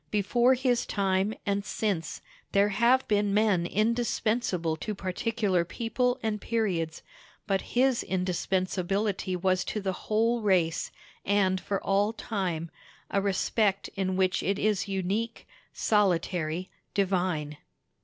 Before his time, and since, there have been men indispensable to particular people and periods; but his indispensability was to the whole race, and for all time—a respect in which it is unique, solitary, divine.